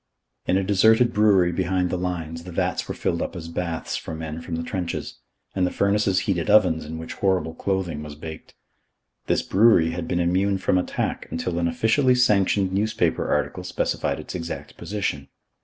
In a deserted brewery behind the lines the vats were fitted up as baths for men from the trenches, and the furnaces heated ovens in which horrible clothing was baked. This brewery had been immune from attack until an officially sanctioned newspaper article specified its exact position.